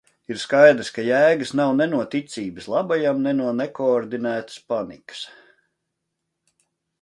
Ir skaidrs, ka jēgas nav ne no ticības labajam, ne no nekoordinētas panikas.